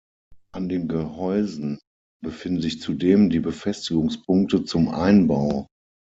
An den Gehäusen befinden sich zudem die Befestigungspunkte zum Einbau.